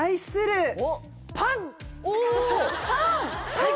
パン